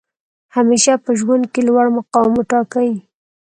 همېشه په ژوند کښي لوړ مقام وټاکئ!